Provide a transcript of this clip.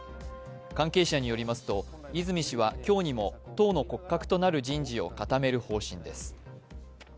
関係者によりますと泉氏は今日にも党の骨格となる人事を固める方針です。